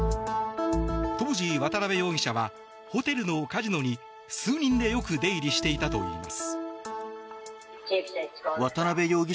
当時、渡邉容疑者はホテルのカジノに数人でよく出入りしていたといいます。